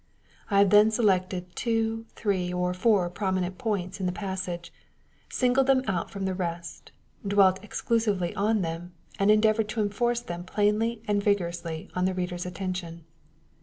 I have then selected two, three, or four prominent points in ihe passage, singled them out from the rest, dwelt ex clusively on them, and endeavored to enforce them plainly and vigorously on the reader's attention.